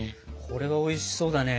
これはおいしそうだね。